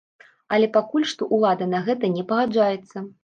Але пакуль што ўлада на гэта не пагаджаецца.